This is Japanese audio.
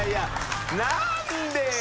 なんでよ？